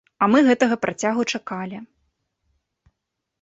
А мы гэтага працягу чакалі.